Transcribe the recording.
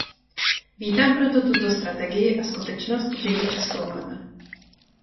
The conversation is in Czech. Vítám proto tuto strategii a skutečnost, že ji přezkoumáme.